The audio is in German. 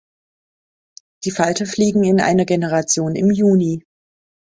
Die Falter fliegen in einer Generation im Juni.